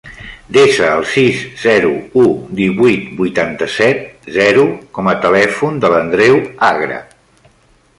Desa el sis, zero, u, divuit, vuitanta-set, zero com a telèfon de l'Andreu Agra.